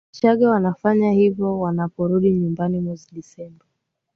wachaga wanafanya hivyo wanaporudi nyumbani mwezi desemba